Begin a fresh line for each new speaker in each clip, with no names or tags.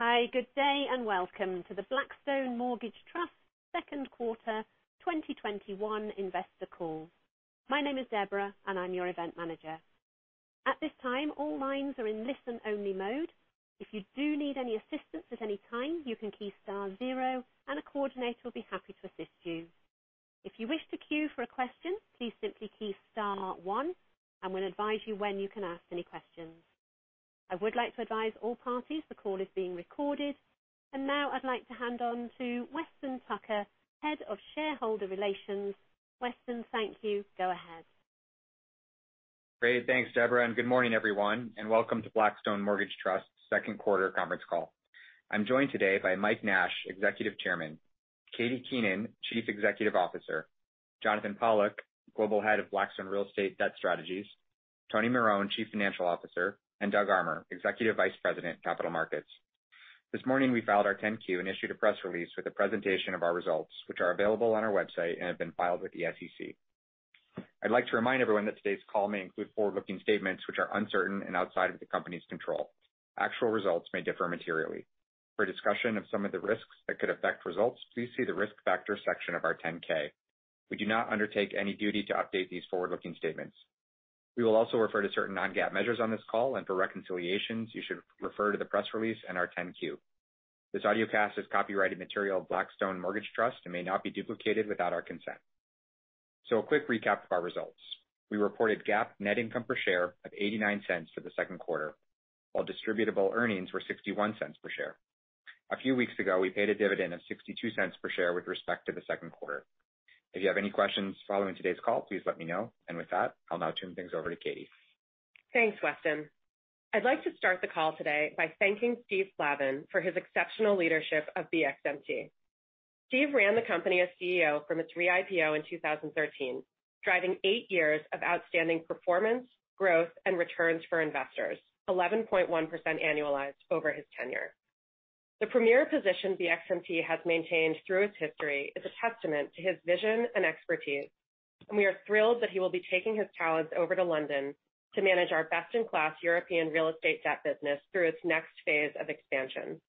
Hi, good day, welcome to the Blackstone Mortgage Trust second quarter 2021 investor call. My name is Deborah, and I'm your event manager. At this time, all lines are in listen-only mode. If you do need any assistance at any time, you can key star zero, and a coordinator will be happy to assist you. If you wish to queue for a question, please simply key star one, and we'll advise you when you can ask any questions. I would like to advise all parties the call is being recorded. Now I'd like to hand on to Weston Tucker, Head of Shareholder Relations. Weston, thank you. Go ahead.
Great. Thanks, Deborah, good morning, everyone, and welcome to Blackstone Mortgage Trust second quarter conference call. I'm joined today by Mike Nash, Executive Chairman, Katie Keenan, Chief Executive Officer, Jonathan Pollack, Global Head of Blackstone Real Estate Debt Strategies, Tony Marone, Chief Financial Officer, and Doug Armer, Executive Vice President, Capital Markets. This morning we filed our 10-Q and issued a press release with a presentation of our results, which are available on our website and have been filed with the SEC. I'd like to remind everyone that today's call may include forward-looking statements which are uncertain and outside of the company's control. Actual results may differ materially. For a discussion of some of the risks that could affect results, please see the Risk Factors section of our 10-K. We do not undertake any duty to update these forward-looking statements. We will also refer to certain non-GAAP measures on this call, and for reconciliations, you should refer to the press release and our 10-Q. This audiocast is copyrighted material of Blackstone Mortgage Trust and may not be duplicated without our consent. A quick recap of our results. We reported GAAP net income per share of $0.89 for the second quarter, while distributable earnings were $0.61 per share. A few weeks ago, we paid a dividend of $0.62 per share with respect to the second quarter. If you have any questions following today's call, please let me know. With that, I'll now turn things over to Katie.
Thanks, Weston. I'd like to start the call today by thanking Steve Plavin for his exceptional leadership of BXMT. Steve ran the company as CEO from its re-IPO in 2013, driving eight years of outstanding performance, growth, and returns for investors, 11.1% annualized over his tenure. The premier position BXMT has maintained through its history is a testament to his vision and expertise, and we are thrilled that he will be taking his talents over to London to manage our best-in-class European real estate debt business through its next phase of expansion.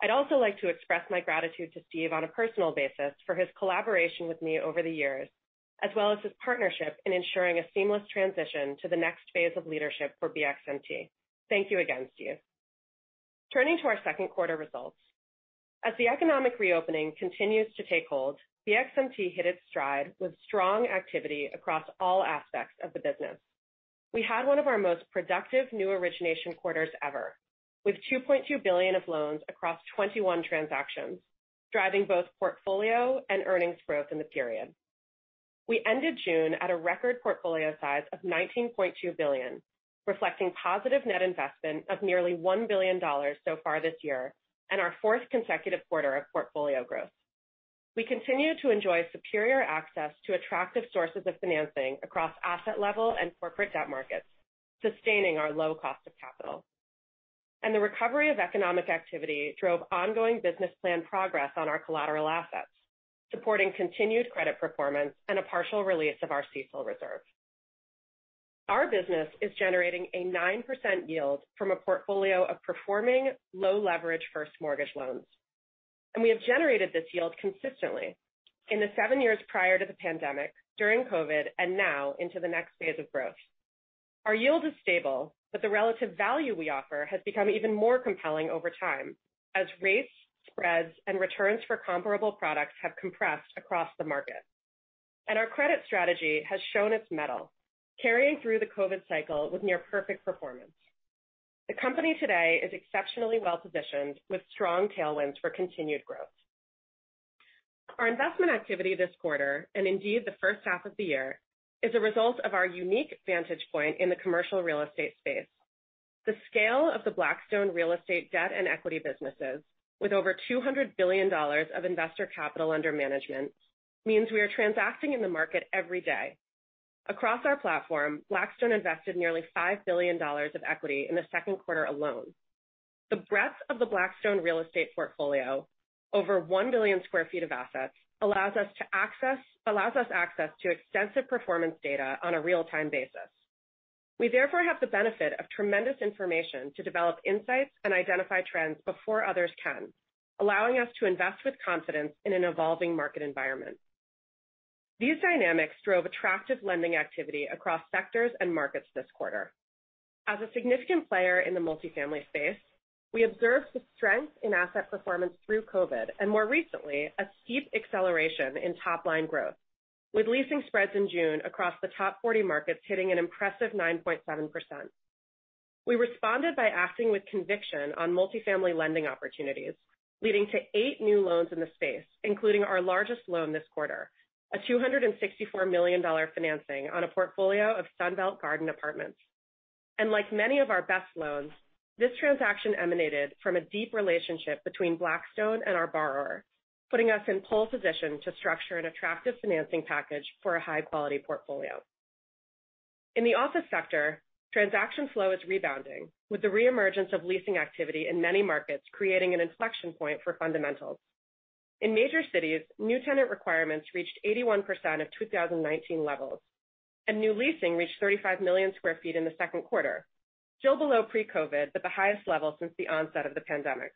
I'd also like to express my gratitude to Steve on a personal basis for his collaboration with me over the years, as well as his partnership in ensuring a seamless transition to the next phase of leadership for BXMT. Thank you again, Steve. Turning to our second quarter results. As the economic reopening continues to take hold, BXMT hit its stride with strong activity across all aspects of the business. We had one of our most productive new origination quarters ever, with $2.2 billion of loans across 21 transactions, driving both portfolio and earnings growth in the period. We ended June at a record portfolio size of $19.2 billion, reflecting positive net investment of nearly $1 billion so far this year and our fourth consecutive quarter of portfolio growth. The recovery of economic activity drove ongoing business plan progress on our collateral assets, supporting continued credit performance and a partial release of our CECL reserve. Our business is generating a 9% yield from a portfolio of performing low-leverage first mortgage loans. We have generated this yield consistently in the seven years prior to the pandemic, during COVID, and now into the next phase of growth. Our yield is stable, but the relative value we offer has become even more compelling over time as rates, spreads, and returns for comparable products have compressed across the market. Our credit strategy has shown its mettle, carrying through the COVID cycle with near-perfect performance. The company today is exceptionally well-positioned, with strong tailwinds for continued growth. Our investment activity this quarter, and indeed the first half of the year, is a result of our unique vantage point in the commercial real estate space. The scale of the Blackstone real estate debt and equity businesses, with over $200 billion of investor capital under management, means we are transacting in the market every day. Across our platform, Blackstone invested nearly $5 billion of equity in the second quarter alone. The breadth of the Blackstone real estate portfolio, over 1 billion sq ft of assets, allows us access to extensive performance data on a real-time basis. We therefore have the benefit of tremendous information to develop insights and identify trends before others can, allowing us to invest with confidence in an evolving market environment. These dynamics drove attractive lending activity across sectors and markets this quarter. As a significant player in the multifamily space, we observed the strength in asset performance through COVID and, more recently, a steep acceleration in top-line growth, with leasing spreads in June across the top 40 markets hitting an impressive 9.7%. We responded by acting with conviction on multifamily lending opportunities, leading to eight new loans in the space, including our largest loan this quarter, a $264 million financing on a portfolio of Sunbelt Garden Apartments. Like many of our best loans, this transaction emanated from a deep relationship between Blackstone and our borrower, putting us in pole position to structure an attractive financing package for a high-quality portfolio. In the office sector, transaction flow is rebounding, with the reemergence of leasing activity in many markets creating an inflection point for fundamentals. In major cities, new tenant requirements reached 81% of 2019 levels, and new leasing reached 35 million sq ft in the second quarter, still below pre-COVID, but the highest level since the onset of the pandemic.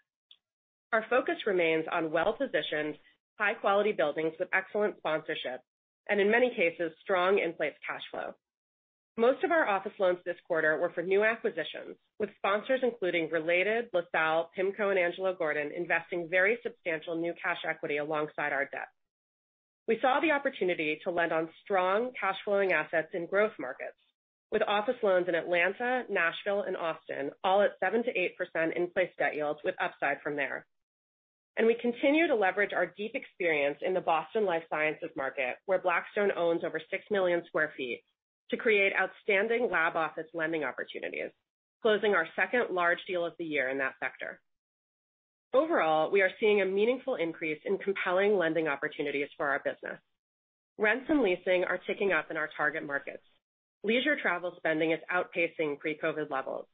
Our focus remains on well-positioned, high-quality buildings with excellent sponsorship, and in many cases, strong in-place cash flow. Most of our office loans this quarter were for new acquisitions, with sponsors including Related, LaSalle, PIMCO, and Angelo Gordon investing very substantial new cash equity alongside our debt. We saw the opportunity to lend on strong cash flowing assets in growth markets with office loans in Atlanta, Nashville, and Austin, all at 7%-8% in place debt yields with upside from there. We continue to leverage our deep experience in the Boston life sciences market, where Blackstone owns over 6 million sq ft to create outstanding lab office lending opportunities, closing our second large deal of the year in that sector. Overall, we are seeing a meaningful increase in compelling lending opportunities for our business. Rents and leasing are ticking up in our target markets. Leisure travel spending is outpacing pre-COVID levels.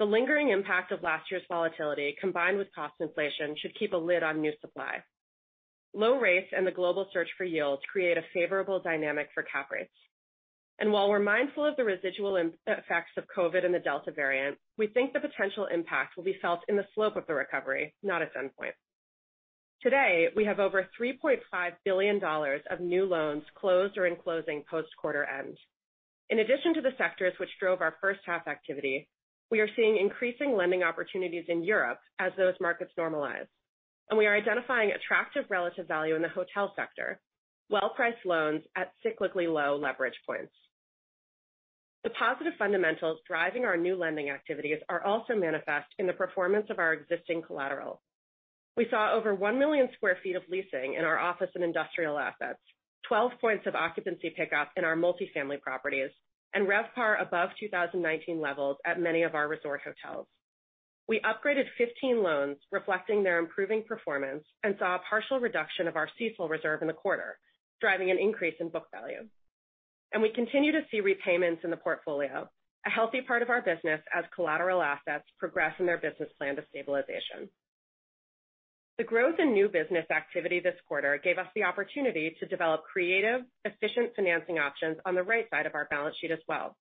The lingering impact of last year's volatility, combined with cost inflation, should keep a lid on new supply. Low rates and the global search for yields create a favorable dynamic for cap rates. While we're mindful of the residual effects of COVID and the Delta variant, we think the potential impact will be felt in the slope of the recovery, not its endpoint. Today, we have over $3.5 billion of new loans closed or in closing post quarter end. In addition to the sectors which drove our first half activity, we are seeing increasing lending opportunities in Europe as those markets normalize. We are identifying attractive relative value in the hotel sector. Well-priced loans at cyclically low leverage points. The positive fundamentals driving our new lending activities are also manifest in the performance of our existing collateral. We saw over 1 million sq ft of leasing in our office and industrial assets, 12 points of occupancy pickup in our multifamily properties, and RevPAR above 2019 levels at many of our resort hotels. We upgraded 15 loans reflecting their improving performance. We saw a partial reduction of our CECL reserve in the quarter, driving an increase in book value. We continue to see repayments in the portfolio, a healthy part of our business as collateral assets progress in their business plan to stabilization. The growth in new business activity this quarter gave us the opportunity to develop creative, efficient financing options on the right side of our balance sheet as well.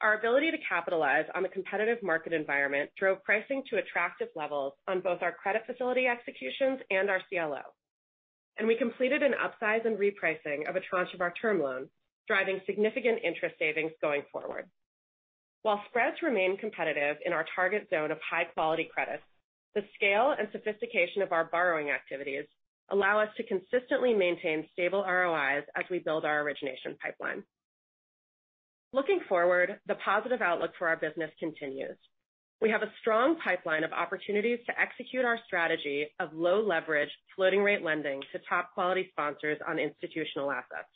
Our ability to capitalize on the competitive market environment drove pricing to attractive levels on both our credit facility executions and our CLO. We completed an upsize and repricing of a tranche of our term loans, driving significant interest savings going forward. While spreads remain competitive in our target zone of high-quality credits, the scale and sophistication of our borrowing activities allow us to consistently maintain stable ROIs as we build our origination pipeline. Looking forward, the positive outlook for our business continues. We have a strong pipeline of opportunities to execute our strategy of low leverage, floating rate lending to top-quality sponsors on institutional assets.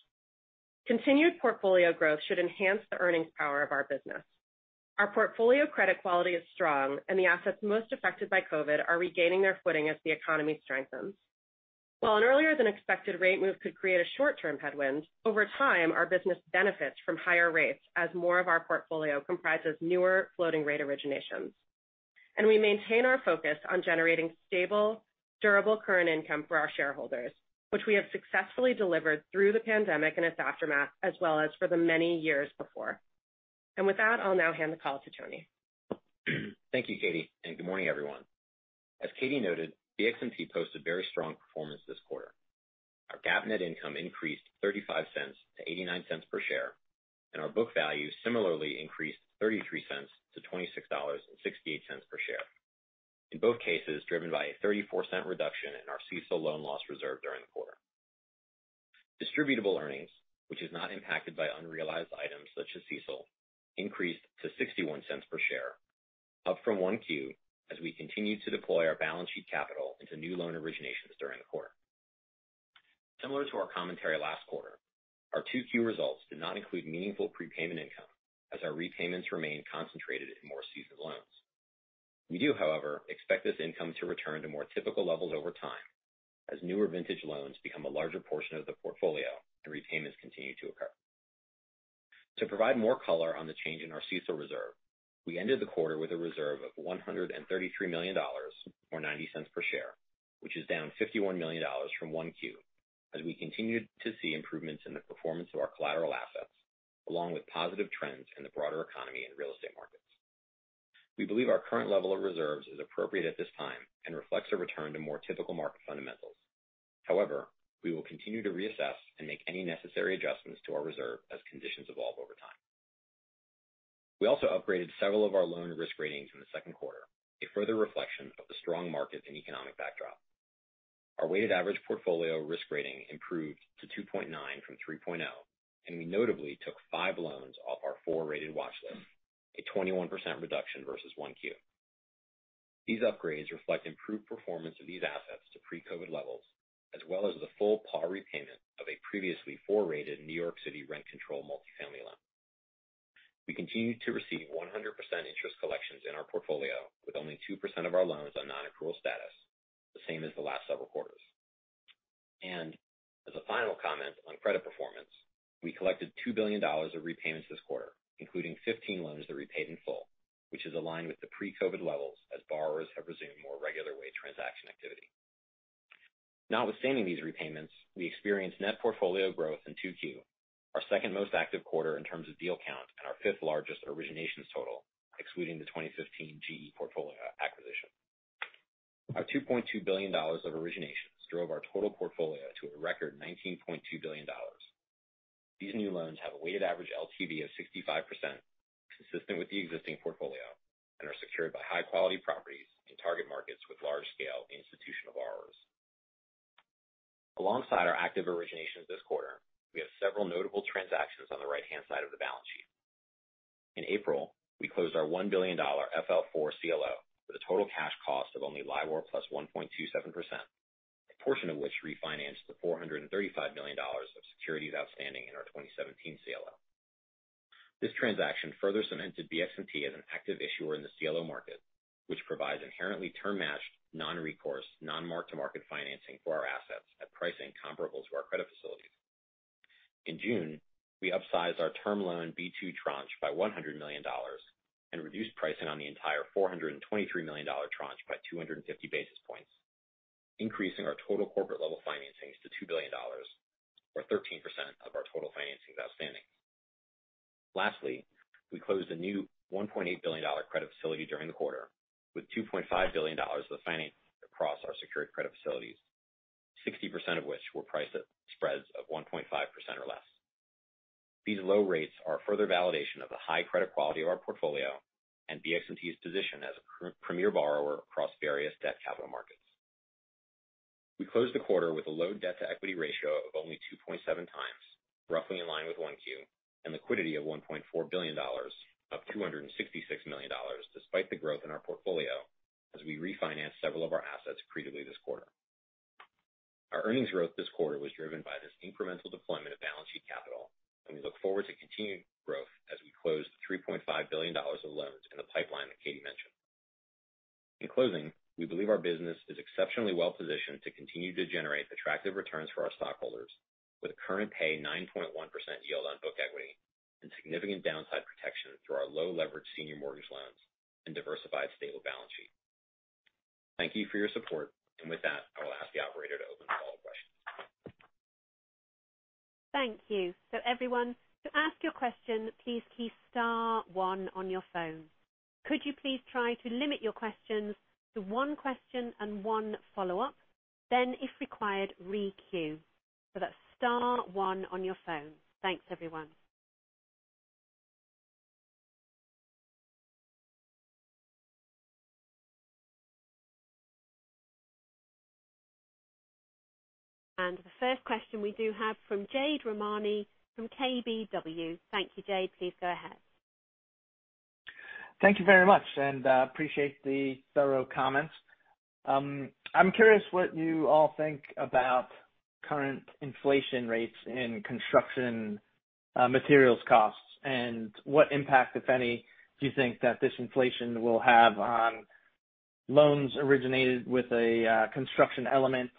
Continued portfolio growth should enhance the earnings power of our business. Our portfolio credit quality is strong, and the assets most affected by COVID are regaining their footing as the economy strengthens. While an earlier than expected rate move could create a short-term headwind, over time our business benefits from higher rates as more of our portfolio comprises newer floating rate originations. We maintain our focus on generating stable, durable current income for our shareholders, which we have successfully delivered through the pandemic and its aftermath, as well as for the many years before. With that, I'll now hand the call to Tony.
Thank you, Katie. Good morning, everyone. As Katie noted, BXMT posted very strong performance this quarter. Our GAAP net income increased $0.35 to $0.89 per share, and our book value similarly increased $0.33 to $26.68 per share. In both cases, driven by a $0.34 reduction in our CECL loan loss reserve during the quarter. Distributable earnings, which is not impacted by unrealized items such as CECL, increased to $0.61 per share, up from 1Q, as we continue to deploy our balance sheet capital into new loan originations during the quarter. Similar to our commentary last quarter, our 2Q results did not include meaningful prepayment income as our repayments remain concentrated in more seasoned loans. We do, however, expect this income to return to more typical levels over time as newer vintage loans become a larger portion of the portfolio and repayments continue to occur. To provide more color on the change in our CECL reserve, we ended the quarter with a reserve of $133 million, or $0.90 per share, which is down $51 million from 1Q, as we continued to see improvements in the performance of our collateral assets, along with positive trends in the broader economy and real estate markets. We believe our current level of reserves is appropriate at this time and reflects a return to more typical market fundamentals. However, we will continue to reassess and make any necessary adjustments to our reserve as conditions evolve over time. We also upgraded several of our loan risk ratings in the second quarter, a further reflection of the strong markets and economic backdrop. Our weighted average portfolio risk rating improved to 2.9 from 3.0, we notably took five loans off our four-rated watchlist, a 21% reduction versus 1Q. These upgrades reflect improved performance of these assets to pre-COVID levels, as well as the full par repayment of a previously four-rated New York City rent-controlled multifamily loan. We continue to receive 100% interest collections in our portfolio with only 2% of our loans on non-accrual status, the same as the last several quarters. As a final comment on credit performance, we collected $2 billion of repayments this quarter, including 15 loans that repaid in full, which is aligned with the pre-COVID levels as borrowers have resumed more regular way transaction activity. Notwithstanding these repayments, we experienced net portfolio growth in 2Q, our second most active quarter in terms of deal count and our fifth largest originations total, excluding the 2015 GE portfolio acquisition. Our $2.2 billion of originations drove our total portfolio to a record $19.2 billion. These new loans have a weighted average LTV of 65%, consistent with the existing portfolio, and are secured by high-quality properties in target markets with large-scale institutional borrowers. Alongside our active originations this quarter, we have several notable transactions on the right-hand side of the balance sheet. In April, we closed our $1 billion FL4 CLO with a total cash cost of only LIBOR plus 1.27%, a portion of which refinanced the $435 million of securities outstanding in our 2017 CLO. This transaction further cemented BXMT as an active issuer in the CLO market, which provides inherently term-matched, non-recourse, non-mark-to-market financing for our assets at pricing comparable to our credit facilities. In June, we upsized our Term Loan B-2 tranche by $100 million and reduced pricing on the entire $423 million tranche by 250 basis points, increasing our total corporate-level financings to $2 billion, or 13% of our total financings outstanding. Lastly, we closed a new $1.8 billion credit facility during the quarter with $2.5 billion of financing across our secured credit facilities, 60% of which were priced at spreads of 1.5% or less. These low rates are a further validation of the high credit quality of our portfolio and BXMT's position as a premier borrower across various debt capital markets. We closed the quarter with a low debt-to-equity ratio of only 2.7x, roughly in line with 1Q, and liquidity of $1.4 billion, up $266 million, despite the growth in our portfolio as we refinanced several of our assets credibly this quarter. Our earnings growth this quarter was driven by this incremental deployment of balance sheet capital, and we look forward to continued growth as we close the $3.5 billion of loans in the pipeline that Katie mentioned. In closing, we believe our business is exceptionally well-positioned to continue to generate attractive returns for our stockholders with a current pay 9.1% yield on book equity and significant downside protection through our low-leveraged senior mortgage loans and diversified stable balance sheet. Thank you for your support. With that, I will ask the operator to open for all questions.
Thank you. Everyone, to ask your question, please key *1 on your phone. Could you please try to limit your questions to one question and one follow-up, then, if required, re-queue. That's star one on your phone. Thanks, everyone. The first question we do have from Jade Rahmani from KBW. Thank you, Jade. Please go ahead.
Thank you very much. Appreciate the thorough comments. I'm curious what you all think about current inflation rates in construction materials costs and what impact, if any, do you think that this inflation will have on loans originated with a construction element,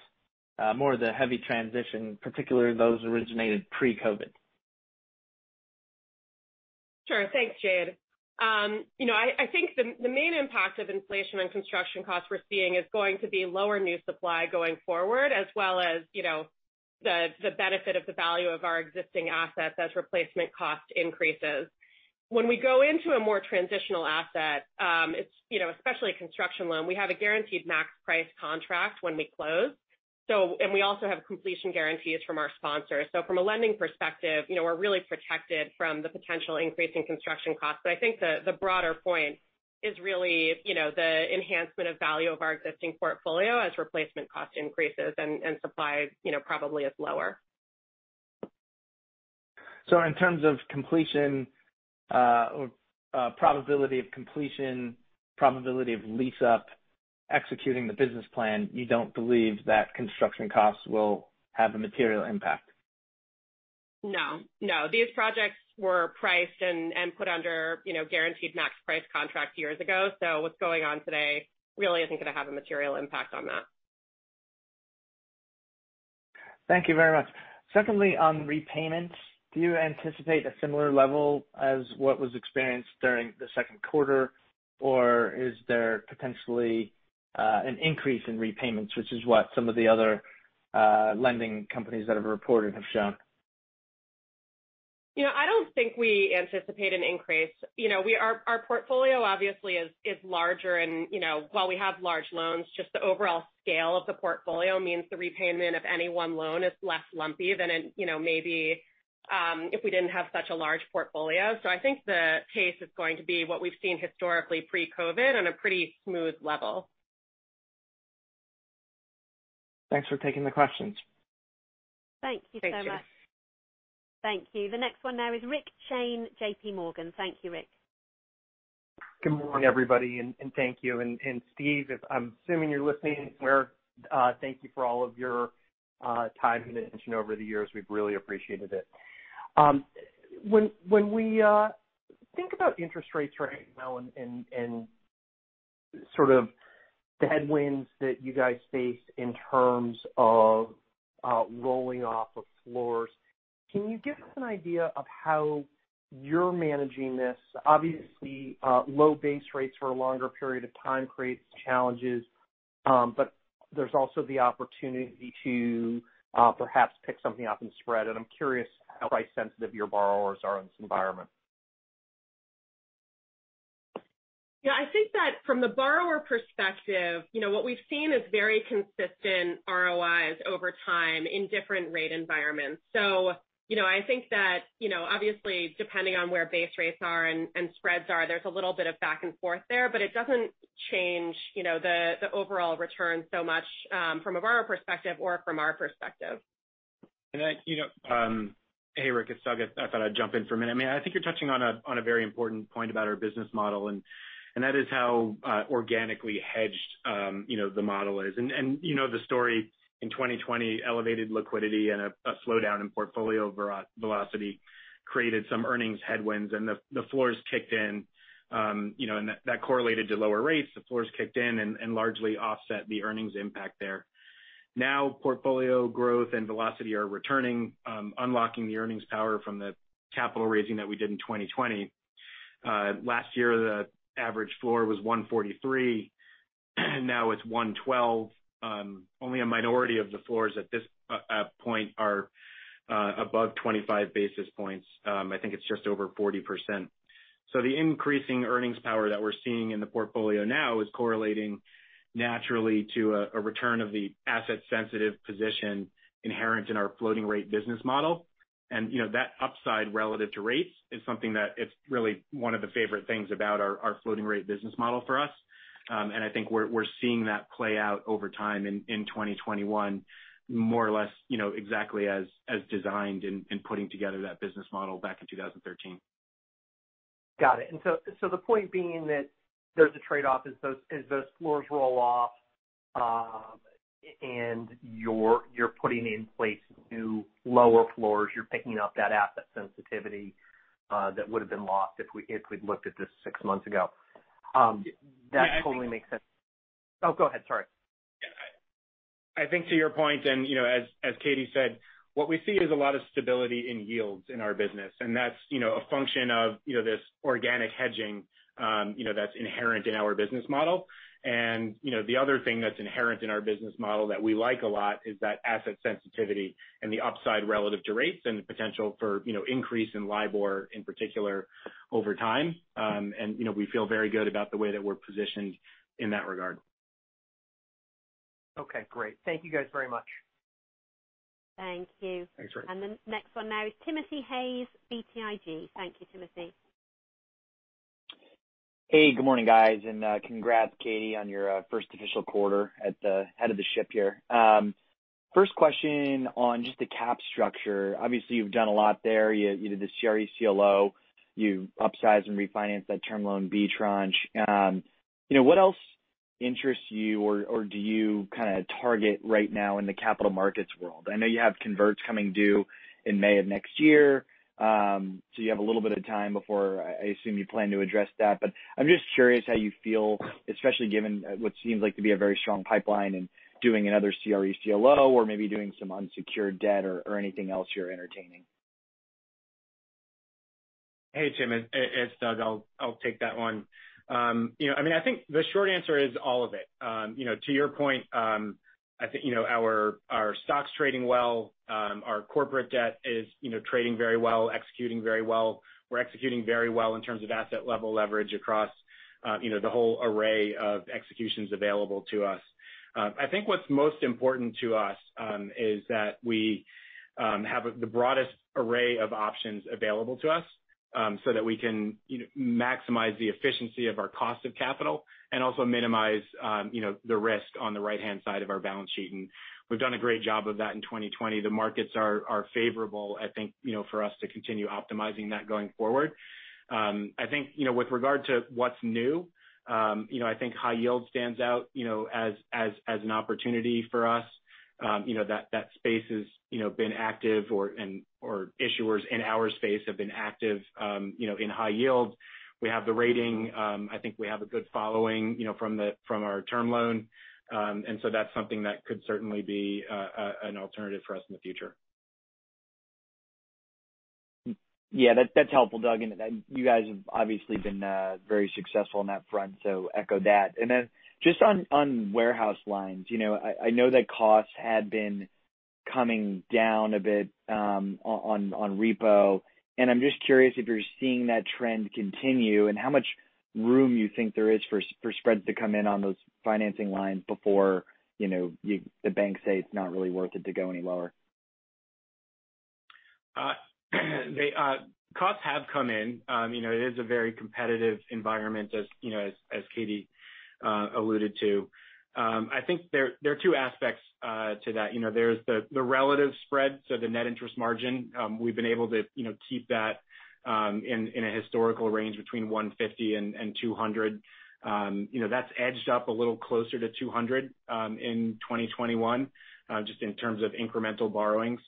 more the heavy transition, particularly those originated pre-COVID?
Sure. Thanks, Jade. I think the main impact of inflation on construction costs we're seeing is going to be lower new supply going forward, as well as the benefit of the value of our existing assets as replacement cost increases. When we go into a more transitional asset, especially a construction loan, we have a guaranteed max price contract when we close. We also have completion guarantees from our sponsors. From a lending perspective, we're really protected from the potential increase in construction costs. I think the broader point is really the enhancement of value of our existing portfolio as replacement cost increases and supply probably is lower.
In terms of completion or probability of completion, probability of lease-up, executing the business plan, you don't believe that construction costs will have a material impact?
No. These projects were priced and put under guaranteed max-price contract years ago. What's going on today really isn't going to have a material impact on that.
Thank you very much. Secondly, on repayments, do you anticipate a similar level as what was experienced during the second quarter, or is there potentially an increase in repayments, which is what some of the other lending companies that have reported have shown?
I don't think we anticipate an increase. Our portfolio obviously is larger and while we have large loans, just the overall scale of the portfolio means the repayment of any one loan is less lumpy than maybe if we didn't have such a large portfolio. I think the pace is going to be what we've seen historically pre-COVID on a pretty smooth level.
Thanks for taking the questions.
Thanks, Jade.
Thank you so much. Thank you. The next one now is Rick Shane, JPMorgan. Thank you, Rick.
Good morning, everybody, and thank you. Steve, if I'm assuming you're listening in somewhere, thank you for all of your time and attention over the years. We've really appreciated it. When we think about interest rates right now and sort of the headwinds that you guys face in terms of rolling off of floors. Can you give us an idea of how you're managing this? Obviously, low base rates for a longer period of time creates challenges, but there's also the opportunity to perhaps pick something up in spread. I'm curious how price sensitive your borrowers are in this environment.
Yeah. I think that from the borrower perspective, what we've seen is very consistent ROIs over time in different rate environments. I think that, obviously depending on where base rates are and spreads are, there's a little bit of back and forth there, but it doesn't change the overall return so much from a borrower perspective or from our perspective.
Hey, Rick, it's Doug. I thought I'd jump in for a minute. I think you're touching on a very important point about our business model, that is how organically hedged the model is. You know the story. In 2020, elevated liquidity and a slowdown in portfolio velocity created some earnings headwinds, the floors kicked in. That correlated to lower rates. The floors kicked in and largely offset the earnings impact there. Now portfolio growth and velocity are returning, unlocking the earnings power from the capital raising that we did in 2020. Last year, the average floor was 143, now it's 112. Only a minority of the floors at this point are above 25 basis points. I think it's just over 40%. The increasing earnings power that we're seeing in the portfolio now is correlating naturally to a return of the asset-sensitive position inherent in our floating rate business model. That upside relative to rates is something that it's really one of the favorite things about our floating rate business model for us. I think we're seeing that play out over time in 2021, more or less exactly as designed in putting together that business model back in 2013.
Got it. The point being that there's a trade-off as those floors roll off, and you're putting in place new lower floors. You're picking up that asset sensitivity that would've been lost if we'd looked at this six months ago.
Yeah, I think-
That totally makes sense. Oh, go ahead, sorry.
I think to your point, and as Katie said, what we see is a lot of stability in yields in our business, and that's a function of this organic hedging that's inherent in our business model. The other thing that's inherent in our business model that we like a lot is that asset sensitivity and the upside relative to rates and the potential for increase in LIBOR in particular over time. We feel very good about the way that we're positioned in that regard.
Okay, great. Thank you guys very much.
Thank you.
Thanks, Rick.
The next one now is Timothy Hayes, BTIG. Thank you, Timothy.
Good morning, guys. Congrats, Katie, on your first official quarter at the head of the ship here. First question on just the cap structure. Obviously, you've done a lot there. You did the CRE CLO. You upsized and refinanced that Term Loan B tranche. What else interests you or do you kind of target right now in the capital markets world? I know you have converts coming due in May of next year. You have a little bit of time before I assume you plan to address that. I'm just curious how you feel, especially given what seems like to be a very strong pipeline in doing another CRE CLO or maybe doing some unsecured debt or anything else you're entertaining.
Hey, Tim, it's Doug. I'll take that one. I think the short answer is all of it. To your point, I think our stock's trading well. Our corporate debt is trading very well, executing very well. We're executing very well in terms of asset level leverage across the whole array of executions available to us. I think what's most important to us is that we have the broadest array of options available to us so that we can maximize the efficiency of our cost of capital and also minimize the risk on the right-hand side of our balance sheet. We've done a great job of that in 2020. The markets are favorable, I think, for us to continue optimizing that going forward. I think with regard to what's new, I think high yield stands out as an opportunity for us. That space has been active or issuers in our space have been active in high yield. We have the rating. I think we have a good following from our term loan. That's something that could certainly be an alternative for us in the future.
Yeah, that's helpful, Doug. You guys have obviously been very successful on that front, so echo that. Just on warehouse lines. I know that costs had been coming down a bit on repo, and I'm just curious if you're seeing that trend continue and how much room you think there is for spreads to come in on those financing lines before the banks say it's not really worth it to go any lower.
Costs have come in. It is a very competitive environment as Katie alluded to. I think there are two aspects to that. There's the relative spread, so the net interest margin. We've been able to keep that in a historical range between 150 and 200. That's edged up a little closer to 200 in 2021 just in terms of incremental borrowings.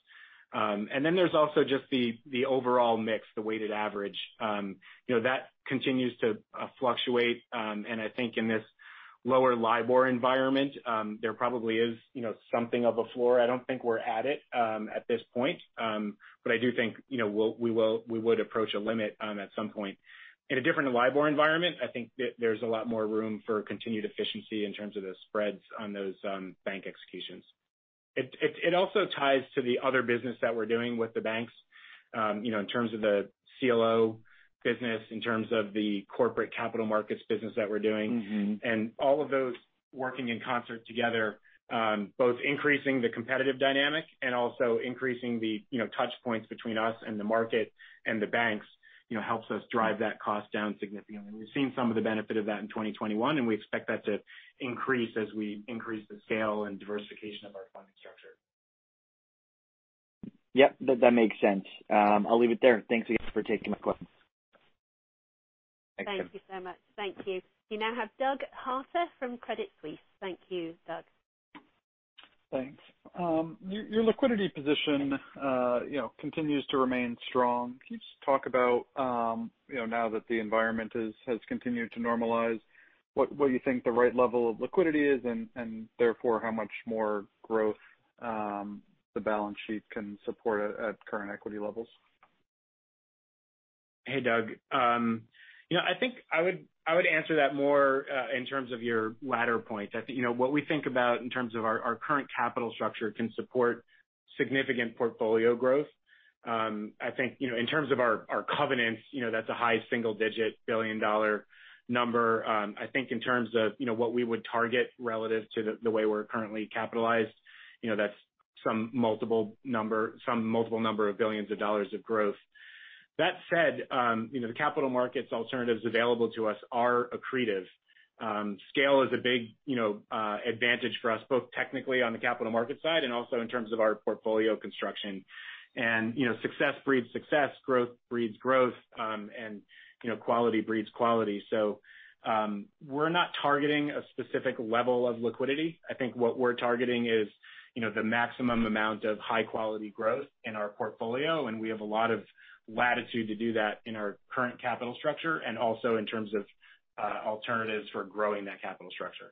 Then there's also just the overall mix, the weighted average. That continues to fluctuate. I think in this lower LIBOR environment, there probably is something of a floor. I don't think we're at it at this point. I do think we would approach a limit at some point. In a different LIBOR environment, I think that there's a lot more room for continued efficiency in terms of the spreads on those bank executions. It also ties to the other business that we're doing with the banks, in terms of the CLO business, in terms of the corporate capital markets business that we're doing. All of those working in concert together both increasing the competitive dynamic and also increasing the touch points between us and the market and the banks, helps us drive that cost down significantly. We've seen some of the benefit of that in 2021, we expect that to increase as we increase the scale and diversification of our funding structure.
Yep, that makes sense. I'll leave it there. Thanks again for taking my call.
Thanks.
Thank you so much. Thank you. You now have Doug Harter from Credit Suisse. Thank you, Doug.
Thanks. Your liquidity position continues to remain strong. Can you just talk about now that the environment has continued to normalize, what you think the right level of liquidity is, and therefore, how much more growth the balance sheet can support at current equity levels?
Hey, Doug. I think I would answer that more in terms of your latter point. What we think about in terms of our current capital structure can support significant portfolio growth. I think, in terms of our covenants, that's a high single-digit billion-dollar number. I think in terms of what we would target relative to the way we're currently capitalized, that's some multiple number of billions of dollars of growth. That said, the capital markets alternatives available to us are accretive. Scale is a big advantage for us, both technically on the capital market side and also in terms of our portfolio construction. Success breeds success, growth breeds growth, and quality breeds quality. We're not targeting a specific level of liquidity. I think what we're targeting is the maximum amount of high-quality growth in our portfolio, and we have a lot of latitude to do that in our current capital structure, and also in terms of alternatives for growing that capital structure.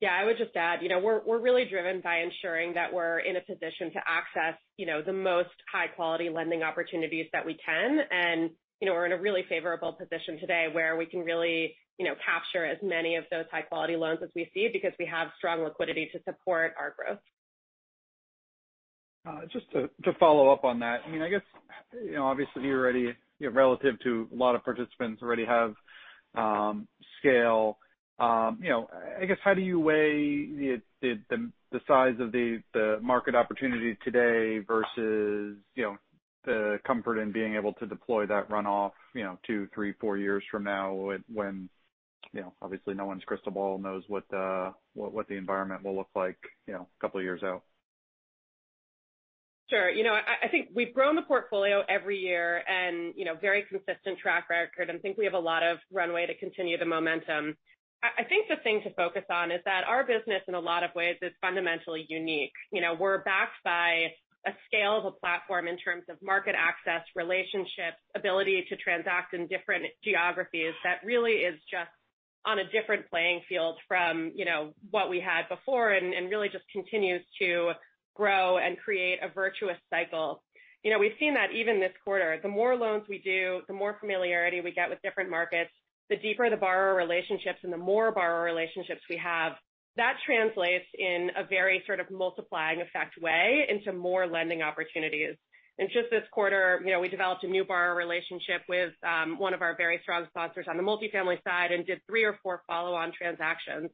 Yeah, I would just add, we're really driven by ensuring that we're in a position to access the most high-quality lending opportunities that we can. We're in a really favorable position today where we can really capture as many of those high-quality loans as we see because we have strong liquidity to support our growth.
Just to follow up on that. I guess, obviously, relative to a lot of participants already have scale. I guess how do you weigh the size of the market opportunity today versus the comfort in being able to deploy that runoff two, three, four years from now when obviously no one's crystal ball knows what the environment will look like two years out?
Sure. I think we've grown the portfolio every year and very consistent track record. I think we have a lot of runway to continue the momentum. I think the thing to focus on is that our business, in a lot of ways, is fundamentally unique. We're backed by a scale of a platform in terms of market access, relationships, ability to transact in different geographies that really is just on a different playing field from what we had before and really just continues to grow and create a virtuous cycle. We've seen that even this quarter. The more loans we do, the more familiarity we get with different markets, the deeper the borrower relationships and the more borrower relationships we have. That translates in a very sort of multiplying effect way into more lending opportunities. In just this quarter, we developed a new borrower relationship with one of our very strong sponsors on the multifamily side and did three or four follow-on transactions.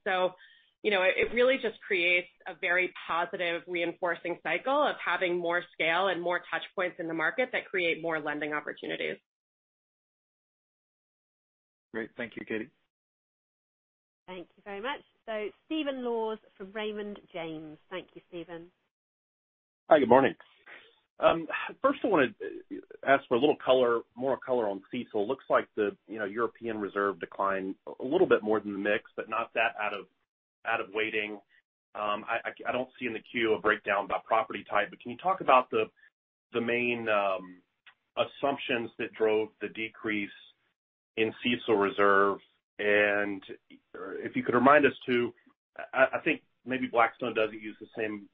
It really just creates a very positive reinforcing cycle of having more scale and more touch points in the market that create more lending opportunities.
Great. Thank you, Katie.
Thank you very much. Stephen Laws from Raymond James. Thank you, Stephen.
Hi, good morning. First I want to ask for a little more color on CECL. Looks like the European reserve declined a little bit more than the mix, but not that out of weighting. I don't see in the queue a breakdown by property type, but can you talk about the main assumptions that drove the decrease in CECL reserves and if you could remind us, too, I think maybe Blackstone doesn't use the same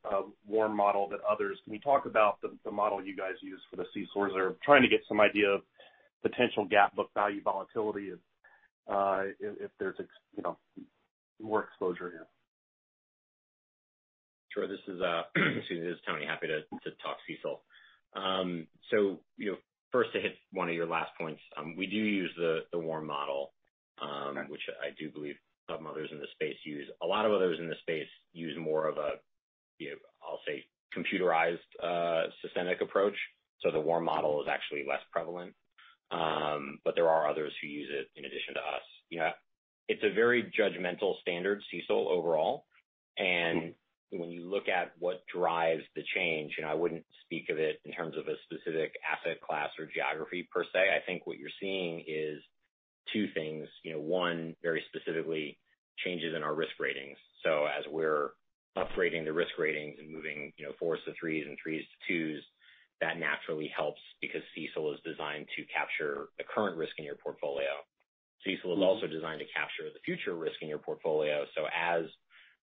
WARM model that others. Can you talk about the model you guys use for the CECL reserve? Trying to get some idea of potential GAAP book value volatility if there's more exposure here.
Sure. This is Tony. Happy to talk CECL. First to hit one of your last points. We do use the WARM model.
Okay
which I do believe some others in the space use. A lot of others in the space use more of a, I'll say, computerized systemic approach, so the WARM model is actually less prevalent. There are others who use it in addition to us. It's a very judgmental standard, CECL overall. When you look at what drives the change, and I wouldn't speak of it in terms of a specific asset class or geography per se. I think what you're seeing is two things. One, very specifically, changes in our risk ratings as we're upgrading the risk ratings and moving 4s to 3s and 3s to 2s, that naturally helps because CECL is designed to capture the current risk in your portfolio. CECL is also designed to capture the future risk in your portfolio. As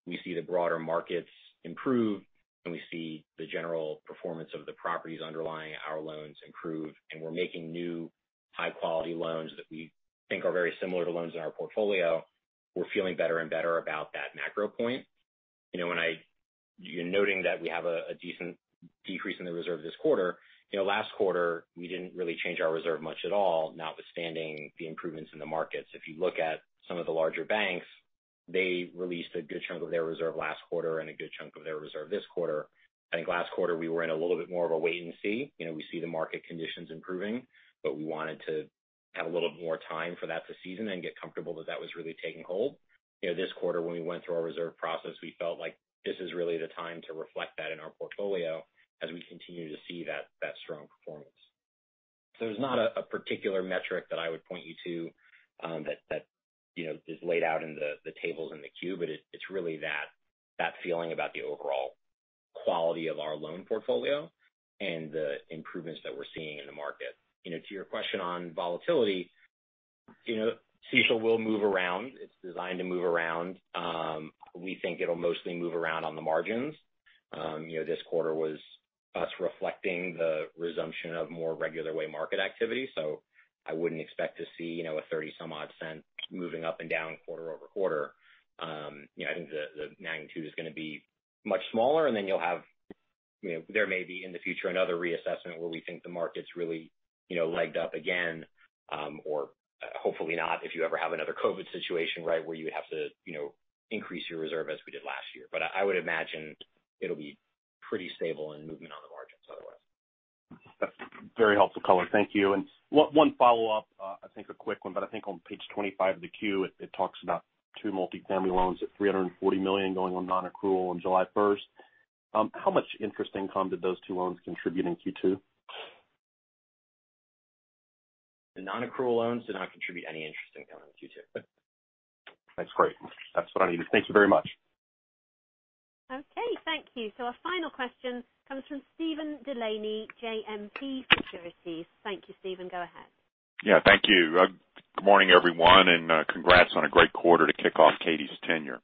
we see the broader markets improve and we see the general performance of the properties underlying our loans improve, and we're making new high-quality loans that we think are very similar to loans in our portfolio, we're feeling better and better about that macro point. You're noting that we have a decent decrease in the reserve this quarter. Last quarter, we didn't really change our reserve much at all, notwithstanding the improvements in the markets. If you look at some of the larger banks, they released a good chunk of their reserve last quarter and a good chunk of their reserve this quarter. I think last quarter, we were in a little bit more of a wait and see. We see the market conditions improving, but we wanted to have a little more time for that to season and get comfortable that that was really taking hold. This quarter when we went through our reserve process, we felt like this is really the time to reflect that in our portfolio as we continue to see that strong performance. There's not a particular metric that I would point you to that is laid out in the tables in the Q, but it's really that feeling about the overall quality of our loan portfolio and the improvements that we're seeing in the market. To your question on volatility, CECL will move around. It's designed to move around. We think it'll mostly move around on the margins. This quarter was us reflecting the resumption of more regular way market activity. I wouldn't expect to see a $0.30 some odd moving up and down quarter-over-quarter. I think the magnitude is going to be much smaller. There may be, in the future, another reassessment where we think the market's really legged up again, or hopefully not if you ever have another COVID situation, right, where you would have to increase your reserve as we did last year. I would imagine it'll be pretty stable and moving on the margins otherwise.
That's very helpful color. Thank you. One follow-up, I think a quick one, but I think on page 25 of the Q, it talks about two multifamily loans at $340 million going on non-accrual on July 1. How much interest income did those two loans contribute in Q2?
The non-accrual loans did not contribute any interest income in Q2.
That's great. That's what I needed. Thank you very much.
Okay, thank you. Our final question comes from Steven Delaney, JMP Securities. Thank you, Steven, go ahead.
Yeah, thank you. Good morning, everyone, and congrats on a great quarter to kick off Katie's tenure.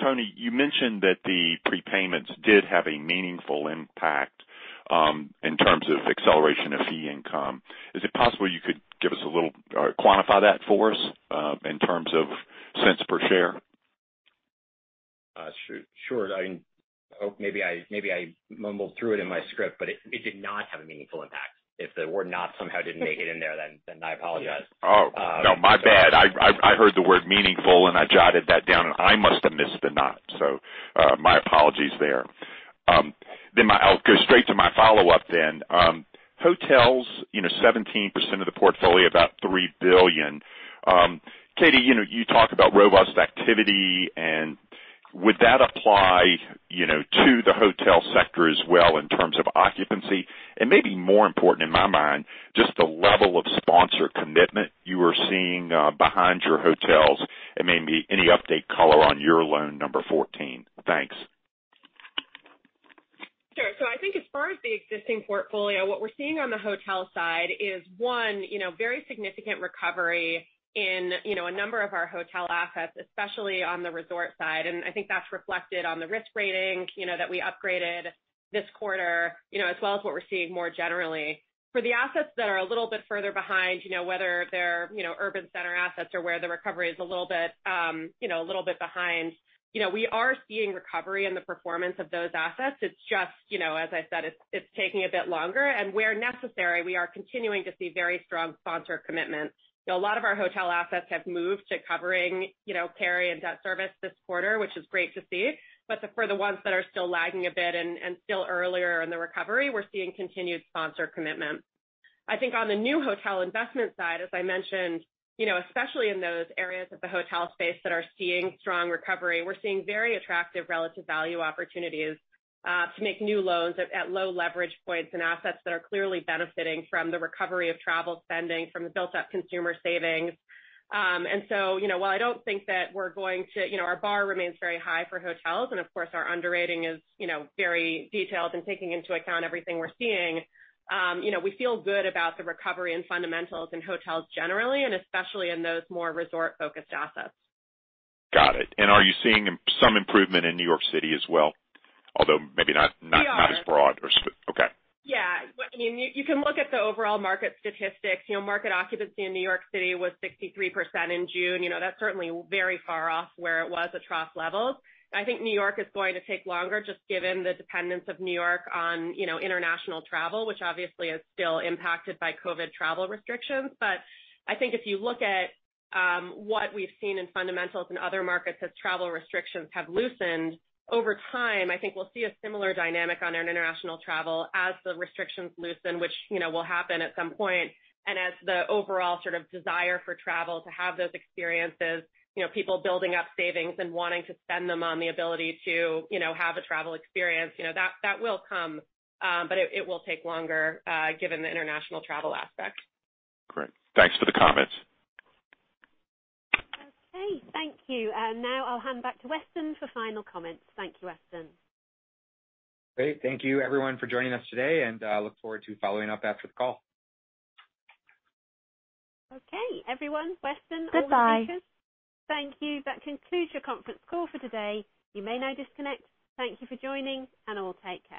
Tony, you mentioned that the prepayments did have a meaningful impact in terms of acceleration of fee income. Is it possible you could give us a little or quantify that for us in terms of cents per share?
Sure. I hope maybe I mumbled through it in my script, but it did not have a meaningful impact. If the word not somehow didn't make it in there, then I apologize.
Oh, no, my bad. I heard the word meaningful, and I jotted that down, and I must have missed the not. My apologies there. I'll go straight to my follow-up then. Hotels, 17% of the portfolio, about $3 billion. Katie, you talk about robust activity and would that apply to the hotel sector as well in terms of occupancy? Maybe more important in my mind, just the level of sponsor commitment you are seeing behind your hotels and maybe any update color on your loan number 14. Thanks.
Sure. I think as far as the existing portfolio, what we're seeing on the hotel side is one, very significant recovery in a number of our hotel assets, especially on the resort side, and I think that's reflected on the risk rating that we upgraded this quarter as well as what we're seeing more generally. For the assets that are a little bit further behind, whether they're urban center assets or where the recovery is a little bit behind, we are seeing recovery in the performance of those assets. It's just, as I said, it's taking a bit longer, and where necessary, we are continuing to see very strong sponsor commitment. A lot of our hotel assets have moved to covering, P&I and debt service this quarter, which is great to see. For the ones that are still lagging a bit and still earlier in the recovery, we're seeing continued sponsor commitment. I think on the new hotel investment side, as I mentioned, especially in those areas of the hotel space that are seeing strong recovery, we're seeing very attractive relative value opportunities to make new loans at low leverage points and assets that are clearly benefiting from the recovery of travel spending from the built-up consumer savings. While I don't think that our bar remains very high for hotels, and of course, our underwriting is very detailed and taking into account everything we're seeing. We feel good about the recovery and fundamentals in hotels generally, and especially in those more resort-focused assets.
Got it. Are you seeing some improvement in New York City as well? Although maybe not as broad or.
We are.
Okay.
You can look at the overall market statistics. Market occupancy in New York City was 63% in June. That's certainly very far off where it was at trough levels. I think New York is going to take longer, just given the dependence of New York on international travel, which obviously is still impacted by COVID travel restrictions. I think if you look at what we've seen in fundamentals in other markets as travel restrictions have loosened over time, I think we'll see a similar dynamic on international travel as the restrictions loosen, which will happen at some point. As the overall sort of desire for travel to have those experiences, people building up savings and wanting to spend them on the ability to have a travel experience, that will come, but it will take longer given the international travel aspect.
Great. Thanks for the comments.
Okay, thank you. Now I'll hand back to Weston for final comments. Thank you, Weston.
Great. Thank you everyone for joining us today and look forward to following up after the call.
Okay, everyone, Weston- Goodbye. Thank you.